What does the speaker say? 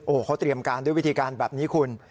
เขาเตรียมการด้วยวิธีการแบบนี้คุณ